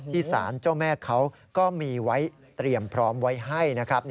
สารเจ้าแม่เขาก็มีไว้เตรียมพร้อมไว้ให้นะครับ